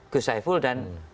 gus haiful dan